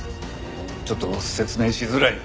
ちょっと説明しづらい。